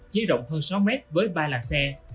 chế rộng hơn sáu m với ba làng xe